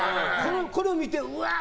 これを見て、うわー！